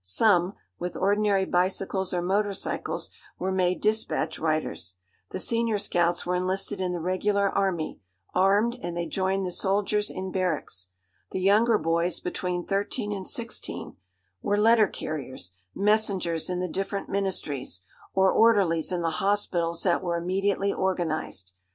Some, with ordinary bicycles or motorcyles, were made dispatch riders. The senior scouts were enlisted in the regular army, armed, and they joined the soldiers in barracks. The younger boys, between thirteen and sixteen, were letter carriers, messengers in the different ministries, or orderlies in the hospitals that were immediately organised.